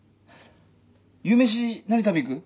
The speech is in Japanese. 夕飯何食べ行く？